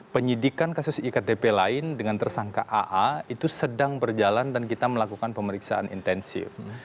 penyidikan kasus iktp lain dengan tersangka aa itu sedang berjalan dan kita melakukan pemeriksaan intensif